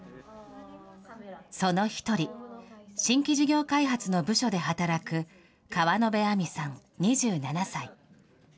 その一人、新規事業開発の部署で働く川野辺晏実さん２７歳。